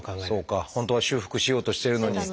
本当は修復しようとしてるのに。